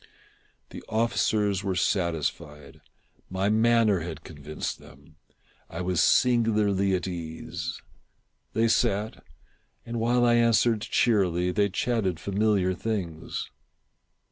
The officers were satisfied. My manner had convinced them. I was singularly at ease. They sat, and while I answered cheerily, they chatted familiar things.